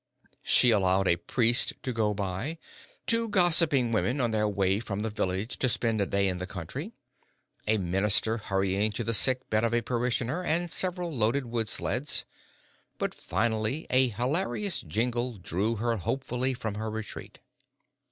She allowed a priest to go by, two gossiping women on their way from the village to spend a day in the country, a minister hurrying to the sick bed of a parishioner, and several loaded wood sleds, but finally a hilarious jingle drew her hopefully from her retreat.